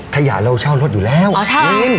ขยะเราเช่ารถอยู่แล้วริม